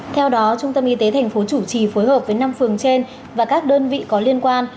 theo đó trung tâm y tế tp chủ trì phối hợp với năm phường trên và các đơn vị có liên quan